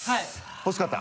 欲しかった？